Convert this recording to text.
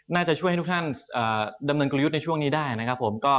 น่าจะช่วยให้ทุกท่านดำเนินกลยุทธ์ในช่วงนี้ได้นะครับผม